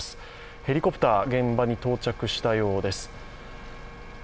ヘリコプター、現場に到着したようです。